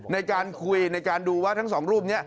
ในการคุยในการดูว่าทั้งสองรูปนี้